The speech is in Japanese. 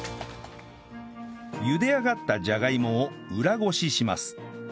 茹で上がったじゃがいもを裏ごしします